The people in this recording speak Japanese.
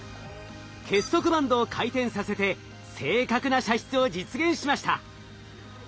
結束バンドを回転させて正確な射出を実現しました。